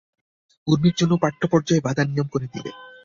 ঊর্মির জন্যে পাঠ্যপর্যায়ের বাঁধা নিয়ম করে দিলে।